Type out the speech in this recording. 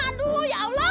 aduh ya allah